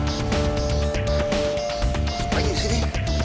masuk lagi di sini